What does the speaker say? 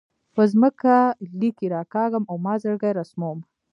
په ځمکه لیکې راکاږم او مات زړګۍ رسموم